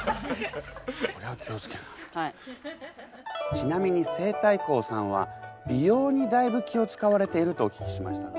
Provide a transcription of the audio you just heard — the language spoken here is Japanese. ちなみに西太后さんは美容にだいぶ気をつかわれているとお聞きしましたが。